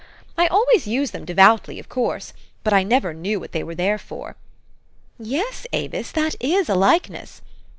I always use them devoutly, of course ; but I never knew what they were there for. Yes, Avis, that is a likeness.